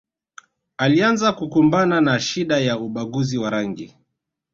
Alianza kukumbana na shida ya ubaguzi wa rangi